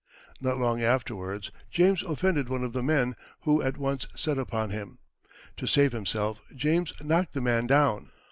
Not long afterwards James offended one of the men, who at once set upon him. To save himself, James knocked the man down.